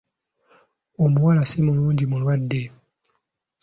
Omuwala si mulungi Mulwadde.